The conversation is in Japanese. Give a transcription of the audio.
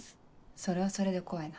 それはそれで怖いな。